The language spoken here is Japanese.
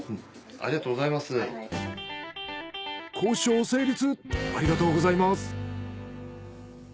ありがとうございます。